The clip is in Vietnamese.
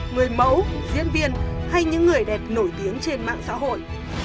người mẫu diễn viên hay những người đẹp nổi tiếng trên mạng xã hội